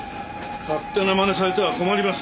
勝手なまねをされては困ります！